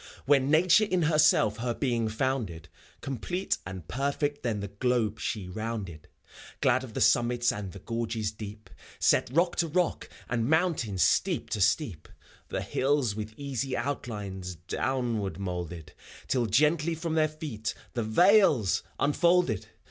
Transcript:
When Nature in herself her being founded. Complete and perfect then the globe she rounded, Glad of the summits and the gorges deep, Set rock to rock, and mountain steep to steep. The hills with easy outlines downward moulded, Till gently from their feet the vales unfolded